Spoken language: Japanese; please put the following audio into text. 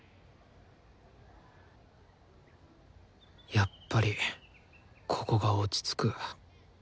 やっぱりここが落ち着く。